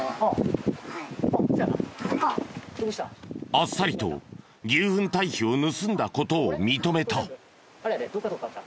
あっさりと牛ふん堆肥を盗んだ事を認めた。